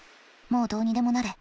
もうどうにでもなれ。